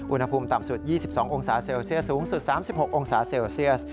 อุณหภูมิต่ำสุด๒๒องศาเซลเซียสสูงสุด๓๖องศาเซลเซียส